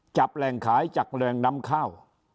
จับแรงขายจับแรงนำเข้า